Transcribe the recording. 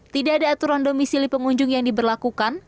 tidak ada aturan domisili pengunjung yang diberlakukan